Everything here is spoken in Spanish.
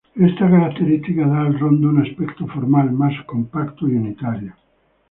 Esta característica da al rondo un aspecto formal más compacto y unitario.